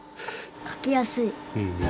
書きやすい！